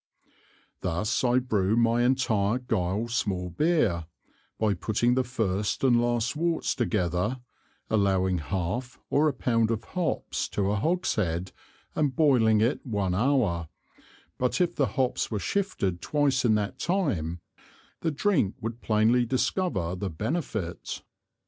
Thus I brew my Intire Guile small Beer, by putting the first and last worts together, allowing half, or a Pound of Hops to a Hogshead and boiling it one Hour, but if the Hops were shifted twice in that time, the Drink would plainly discover the benefit.